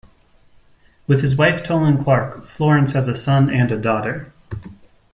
With his wife Tolan Clark, Florence has a son and a daughter.